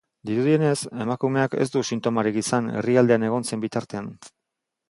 Dirudienez, emakumeak ez zuen sintomarik izan herrialdean egon zen bitartean.